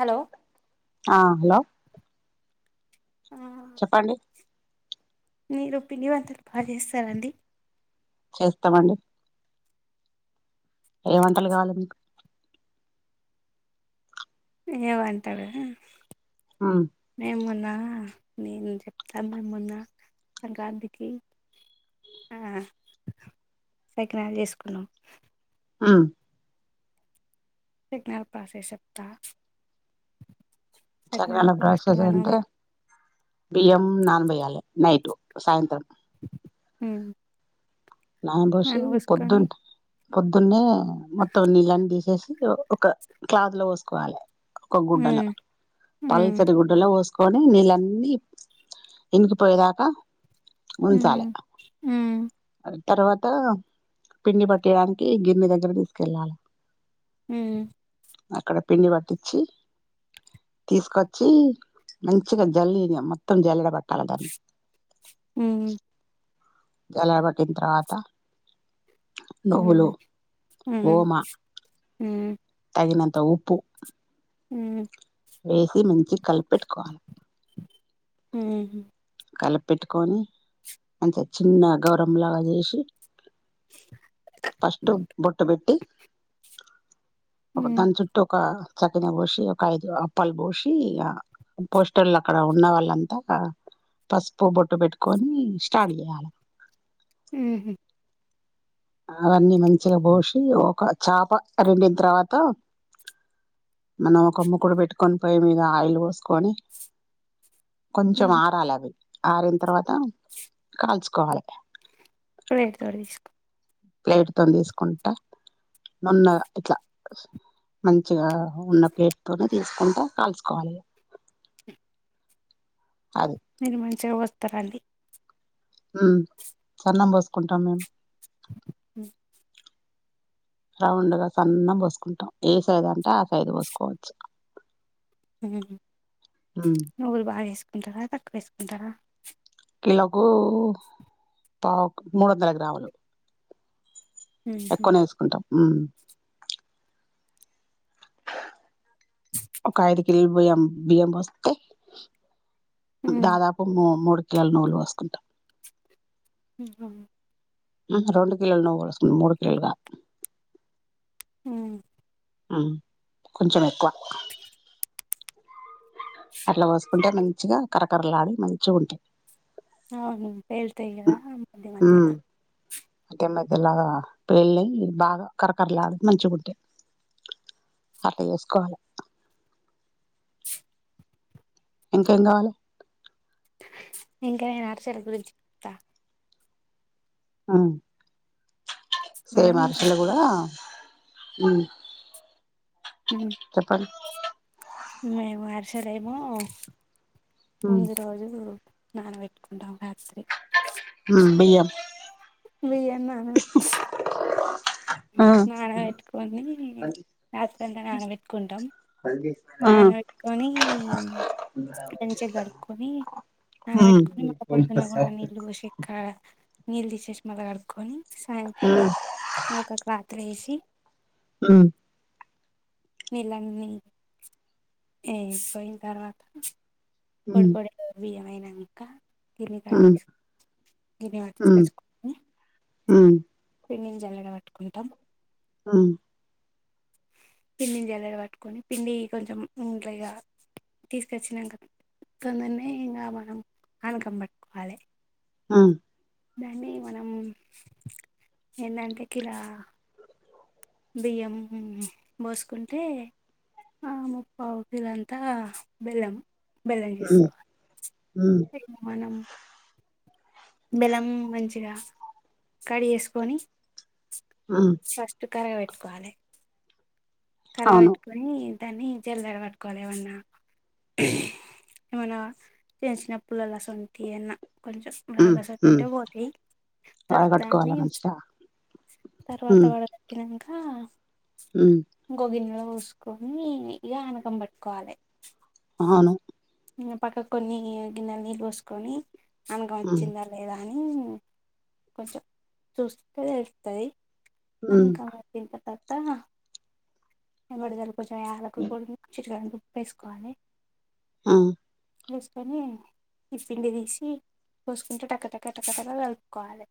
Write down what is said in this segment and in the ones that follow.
Hello ఆ hello అ చెప్పండి మీరు పిండి వంటలు బాగా చేస్తారండి చేస్తామండి ఏ వంటలు కావాలి మీకు ఏవు అంటారు ఉమ్ మేమున్నా నేను చెప్తాను మేమున్న సంక్రాంతికి సకనాలు చేసుకున్నాం ఆ సిగ్నల్ పాస చెప్త చకనాల ప్రాసెస్ అంటే బియ్యం ననభైళ నైట్ సాయంత్రం హ్మ్ నా బసే పొద్దున్ పొద్దున్నే మొత్తం నీళ్లన్నీ తీశేశి ఒక క్లాత్ లో పోసుకోవాలే ఒక గుడ్డల హ్మ్ హ్మ్ పలసటి గుడ్డల వోస్ కొని నీళ్ళన్నీ ఎనికిపోయేదాకా ఉంచాలే హ్మ్ హ్మ్ తర్వాత పిండి పట్టేయడానికి గిర్ని దగ్గర తీసుకెళ్ళాలి హ్మ్ అక్కడ పిండి పట్టించి తీసుకొచ్చి మంచిగా జల్ మొత్తం జెల్లేడ పట్ట కలగం హ్మ్ జలా పట్టిన తర్వాత నువ్వులు హ్మ్ హ్మ్ ఓమా హ్మ్ తగినంత ఉప్పు ఉ వేసి మంచి కలిపి పెట్టుకోవాలే హ్మ్ కలిపెట్టుకొని అంత చిన్న గౌరంలాగా చేశి ఫాస్టు బొట్టు పెట్టి ఒక దాని చుట్టూ ఒక చకిన పోసి ఒక ఐదు అప్పాలు పోసి ఆ పోస్టర్లు అక్కడ ఉన్న వాళ్ళంతా పసుపు బొట్టు పెట్టుకొని స్టార్ట్ చేయాలె ఊహూ అవన్నీ మంచిగా పోసి ఒక చేప రెండిన తర్వాత మనం ఒక ముకుడు పెట్టుకొని పోయి మీద ఆయిల్ పోసుకొని కొంచెం హ్మ్ ఆరాలవి ఆరిన్ర్వాత కాల్చుకోవాలె [unintelligible] ప్లేట్తో తీస్కుంట నున్నగ ఇట్లా మంచిగా ఉన్న ప్లేట్ తోనే తీస్కుంట కాల్చుకోవాలి అది నిరమ చేగ పోస్తారండి ఉమ్ సన్నం పోస్కుంటం మేమ్ [inaudible] రౌండ్గా సన్నం పోస్కుంటం ఏ సైజ్ అంటే ఆ సైజు పోస్కోవచ్చు ఊమ్ నువుల్ బ ఏసు జాదక్ వేస్కుంటరా కిలోకు పావ్క్ మూడందల గ్రాములు ఉహు. ఎక్కునే ఏస్కుంటం ఉమ్ ఒకయుదుకిల్ బియ్యం బియం పోస్తె ఉమ్ దాదాపు ము మూడ్ ల్ నువ్వులు పొస్కుంటం ఊహు హు రొండు కిలోలు నువ్వు పోస్కుం మూడు కిలోలుగాదు ఊమ్ ఉమ్ కొంచెం ఎక్కువ అట్ల పోస్కుంటే మంచిగా కరకర్రలాడి మంచిగుంటయ్ ఔను పెళ్తాయ్ గద మ మధ్యల గ మధ్యలగా పేల్నై బాగా కరకర్రలడి మంచిగుంటయ్ అట్ల చేస్కోవాలె ఇంకేం గావలే ఇంకా నేను అరిసెల గురించి తా ఉ మనం సేమ్ అరిషేలు ఫస్ట్ గుడా ఉమ్ చెప్పండ్ మేమ్ అర్షేలేమో ముందు రోజు నాన వెట్టుకుంటం రాత్రి ఉం బియ్యం బియ్యంనాన నానవెట్టుకొని రాత్రంత నానవెట్టుకుంటం నానానబెట్టుకొనీ మంచిగ కడుక్కొని నానబెట్టుకొని మన పొద్దున్న గుడా నీళ్ళుషక్క నీళ్ తీశేశి మల కడుక్కొని సాయంత్రం వాటర్ వేసి ఉమ్ నీలంని పోయిన తర్వాత పొడి పొడి బియ్యమయి ఇంకా తిన్ని కడ తీసుకో గిర్నీ పట్టిచుకచుకో ఆ పిండినీ జల్లెడ పట్టుకుంటం ఉమ్ పిండిని జల్లెడ పట్టుకొని పిండి కొంచెం ఇంట్ల ఇగ తీసుకొచ్చినంక తొందనే ఇంకా మనం అనకం పట్టుకోవాలి అ దాన్ని మనం ఎందంటే కిరా బియ్యం బోసుకుంటే ముప్పావ్ కిలో అంత బెల్లం బెల్లం చేసుకోవా మనం బెలం మంచిగ కడిగేసుకొని ఫస్ట్ కరగ బెట్టుకోవాలె కరగ అవును బెట్టుకొని దాన్నీ జల్లెడ పట్టుకోవాలే ఏమన్నా ఏమన్నా చేంచిన పుల్లల సొంటి అన్నా కొంచెం బాగా స ఉంటే పోతాయి త దాన్ని వడగట్టుకోవాలా మంచిగా తర్వాత వడగట్టినంక పోగిన్నెలో పోసుకొని ఇగ అనకం పట్టుకోవాలే ఆ అవును ఇంగ పక్క కొన్ని గిన్నెల నీళ్ళు పోసుకొని అనుగ వచ్చిందా లేదా అని కొంచెం చూస్తే తెలుత్తది అకాంత [unintelligible] తా ఎమదారు కొంచెం యాలక పొడిని చిటికెడు వేసుకోవాలె ఆ ముసుకొని ఈ ఇప్పిండి తీసి పోసుకుంటే టక టక టక టక కలుపుకోవాలే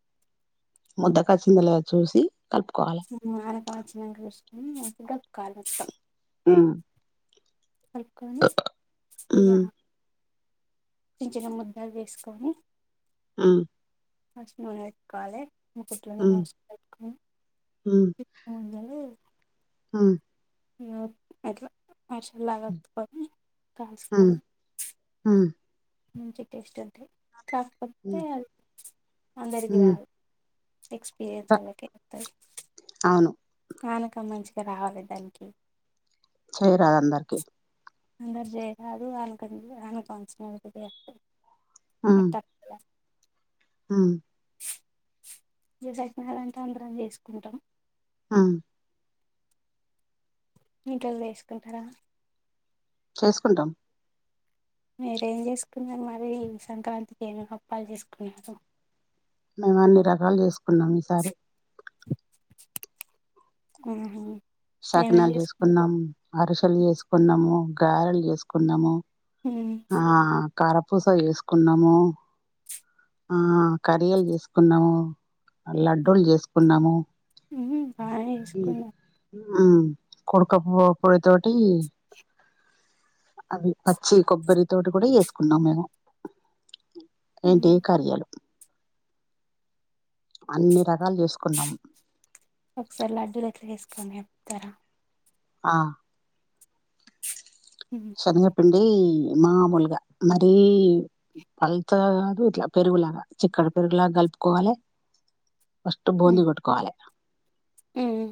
ముద్ద కాచిందో లేదొ చూసి కలుపుకోవాలి సుకుమార వచ్చినాంక చూసుకొని కలుపుకోవాలే మొత్తం ఉమ్ కలుపుకొని వివహ చిన్ చిన్న ముద్దలు చేసుకొని. ఉహ్మ్ ఫస్ట్ నూనె పెట్టుకోవాలి. ఉమ్ ఫస్ట్ లనే నూనె పెట్టుకోని [inaudible] ఉమ్ ఇగ ఎట్లా. మచ్లాగ ఒత్తుకొని హ్మ్ కాల్చుకొని. హ్మ్ మంచి టేస్ట్ అంటే. కఫ్ హ్మ్ కొట్టేయాలి. అందరికి హ్మ్. రాదు. తెక్స్ తీ క తలకెక్కుతది. అవును. ఆనక మంచిగా రావాలి దానికి చేయరాదు అందరికి. అందరి జేయ రాదు ఆహ్ అనుకం అనుకోసినద ఆహ్ అట్టా ఉమ్ జసట్నాలంటా అందరం చేసుకుంటాం. ఆహ్ మీ ఇంట్లో వేసుకుంటారా. వేసుకుంటాం. మీరేం చేసుకున్నారు మరి ఈ సంక్రాంతికి ఏమేమి అప్పాలు చేసుకున్నారు. మేము అన్ని రకాలు చేసుకు కోన్నం ఈ సారి. ఆహా సకినాలు చేసుకున్నాం, అరిసెలు చేసుకున్నాము. గారెలు చేసుకున్నాము. ఉమ్. ఆహ్ కారపూస చేసుకున్నాము ఆహ్ కరియలు చేసుకున్నాము లడ్డూలు చేసుకున్నాము. ఉహూ బాగానే చేసుకున్నాం. హ్మ్మ్. కుడుక పో పోడితొటి ఉమ్ అవి పచ్చి కొబ్బరి తోటి కూడా చేసుకున్నాం మేము. ఉమ్. ఏంటి కార్యాలు. అన్ని రకాలు చేసుకున్నాం. ఒకసారి లడ్డులు ఎట్లా చేస్తారో చెప్తారా. ఆహ్ ఉమ్, శనగపిండి... మామూలుగా మరీ పల్సగా కాదు ఇట్లా పెరుగులాగా చిక్కగా పెరుగులాగా కలుపుకోవాలే ఫస్ట్ బూందీ కొట్టుకోవాలే మ్ మ్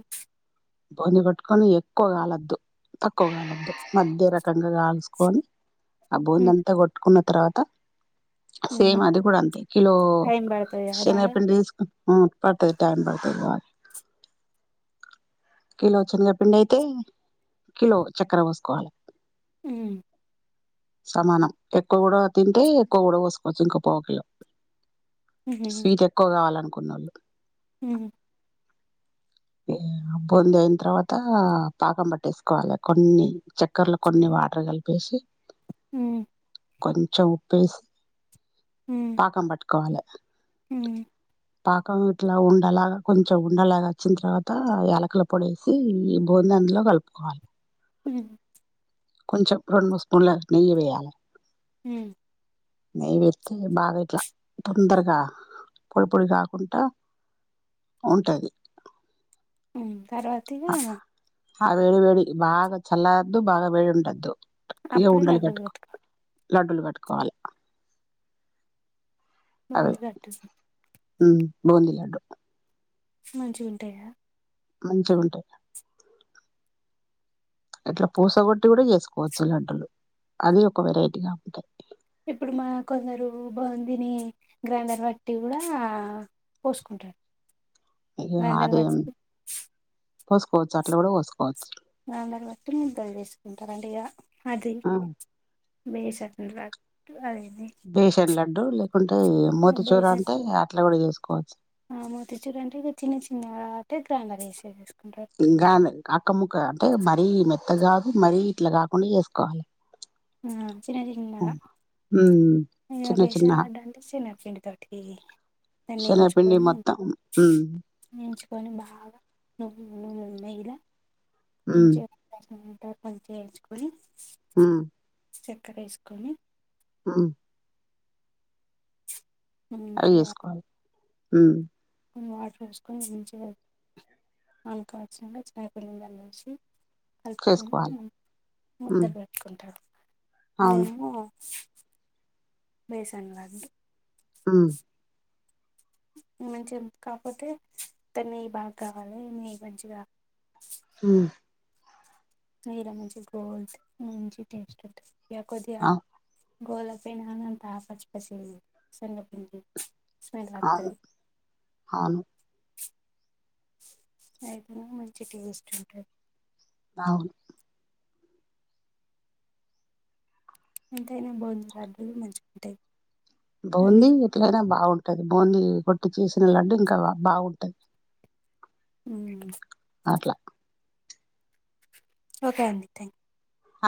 బూందీ కొట్టుకొని ఎక్కువ కాలొద్దు తక్కువ కాలద్దు మధ్య రక కంగా కాల్సుకొని అ బొంది ఉమ్, అంతా కొట్టుకున్న తరువాత ఉమ్. సేమ్ అది కూడా అంతే కిలో టైం పడుతుంది కదా బాగా శనగపిండి తీసుకు ఉ పడుతది టైమ్ పడుతది బాగా కిలో శనగపిండి అయితే కిలో చక్కర పోసుకోవాలి ఉ సమానం ఎక్కువ కూడా తింటే ఎక్కువ కూడా పోసుకోవచ్చు ఇంక పావు కిలో స్వీట్ ఎక్కువ కావాలనుకు కొన్నాళ హ్మ్ బూందీ అయిన తర్వాత పాకం పట్టేసుకోవాలి కొన్ని చక్కర్లో కొన్ని వాటర్ కలిపేసి ఉ కొంచం ఉప్పు వేసి పాకం పట్టు కాలే హ్ పాకం ఇట్లా ఉండలాగా కొంచెం ఉండలాగా వచ్చిన తర్వాత యాలకుల పొడి వేసి ఈ బూందీ అందులో కలుపుకోవాలి హ్ కొంచెం రెండు మూడు స్పూన్ల నెయ్యి వేయాలి మ్ నెయ్య వేస్తే బాగా ఇట్లా తొందరగా పొడి పొడి కాకుంటా ఉంటది ఉ తరువాత ఇగా ఆ వెేడి వేడి బాగా చల్లరాద్దు బాగా బేడి ఉండద్దు అప్పుడు లడ్డు లు కొట్టుకావాలి లడ్డు లు కట్టుకోవాలి న కట్ ఉమ్ బూందీ లడ్డు మంచిగా ఉంటాయా మంచిగా ఉంటది ఇట్లా పూసగొట్టి కూడా చేసుకోవచ్చు లడ్డులు అది ఒక వెరైటీగా ఉంటాయి ఇప్పుడు మా కొందరు బూందీ నీ గ్రైండర్ వట్టి కూడా పోసుకుంటారు ఇగ గ్రైండర్ అది వట్ పోసుకోవచ్చు అట్లా కూడా పోసుకోవచ్చు అందర బట్టి ముద్దలు చేసుకుంటారండి ఇగ అదే ఆ! బెసండ్లడు అదే బేషన్ లడ్డు లేకుంటే మోతిచూర అంటే అట్లా కూడా చేస్ కోవచ్చు ఆ మోతిచూర్ అంటే ఇగ చిన్న చిన్న అటెకంగా వేసిరు ఇంకా అం అక్క ముక్క అంటే మరీ ఇ కాదు మరీ ఇట్ల గాకుండా చేసుకోవాలి హమ్ చిన్న చిన్నగా ఉమ్ ఇగ చిన్న చిన్న బేసలాడ్డ అంటే శెనగపిండితోటి దన్ని శనగపిండి వేయించుకొని మొత్తం ఉమ్ వేయించుకొని బాగా ఊమ్ నెయ్యిల ఉమ్ మంచిగ [unintelligible] ట మంచిగా ఎంచుకొని ఉమ్ వేసుకొని ఉమ్ మంచిగా ఉ కొన్ని వాటర్ పోసుకొని మంచిగా అనుకోచ్చినక చాయ్ పల్లెం దానిమీద ఉంచి కలుపుకొని చేసుకోవాలి ఉమ్ ముద్దలు కట్టుకుంటారు అవును అదేమో బేసన్ లడ్డు అ మంచిగా కాకపోతే దన్ని ఈ బాగా కావాలి నెయ్యి మంచిగా ఊ నెయ్యిర మంచిగ గోల్డ్ మంచిగ టెస్ట్ ఉంటది యా కొదిగా అవు గోల పెనాన్నంత పచ్చి పచ్చిగుంది శెనగపిండి అవును అవును అయితేనేమో మంచి టేస్ట్ ఉంటది అవును ఎంతైనా గోధుమ లడ్డూలు మంచిగుంటదయ్ బౌండింగ్ ఎపుడైనా బావుండు టది బూని కొట్టి చేసిన లడ్డు ఇంకా బాగుంటది ఊమ్ అట్ల ఓకే అండి థ్యాం అ